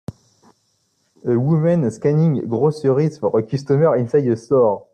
A woman scanning groceries for a customer inside a store